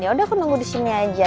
yaudah aku nunggu disini aja